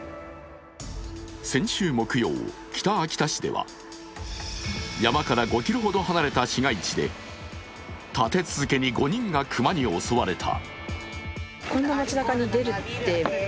先週木曜、北秋田市では山から５ｋｍほど離れた市街地で立て続けに５人が熊に襲われた。